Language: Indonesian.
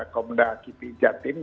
komenda kipi jatim